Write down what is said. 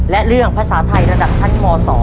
และเรื่องภาษาไทยระดับชั้นม๒